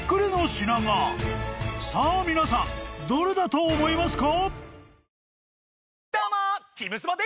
［さあ皆さんどれだと思いますか？］